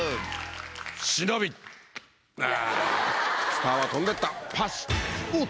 スターは飛んでったパシっ！